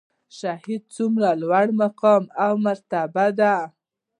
شهادت څومره لوړ مقام او مرتبه ده؟